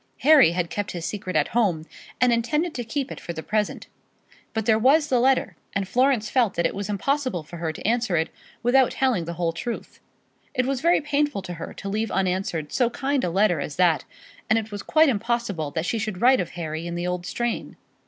Harry had kept his secret at home, and intended to keep it for the present. But there was the letter, and Florence felt that it was impossible for her to answer it without telling the whole truth. It was very painful to her to leave unanswered so kind a letter as that, and it was quite impossible that she should write of Harry in the old strain.